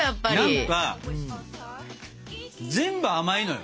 何か全部甘いのよ。